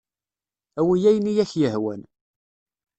Awi ayen ay ak-yehwan.